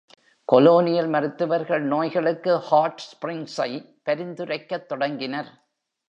Colonial மருத்துவர்கள் நோய்களுக்கு hot ஸ்பிரிங்ஸை பரிந்துரைக்கத் தொடங்கினர்.